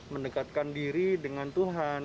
mendekatkan diri dengan tuhan